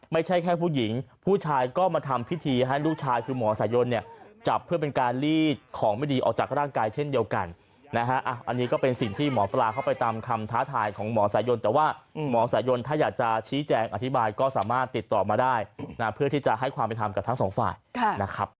มสายนเนี่ยจับเพื่อเป็นการลีดของไม่ดีออกจากร่างกายเช่นเดียวกันนะฮะอันนี้ก็เป็นสิ่งที่หมอปลาเข้าไปตามคำท้าทายของหมอสายนแต่ว่าอืมหมอสายนถ้าอยากจะชี้แจงอธิบายก็สามารถติดต่อมาได้นะเพื่อที่จะให้ความไปทำกับทั้งสองฝ่ายค่ะนะครับ